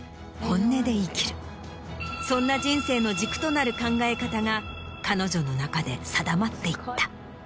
そんな人生の軸となる考え方が彼女の中で定まっていった。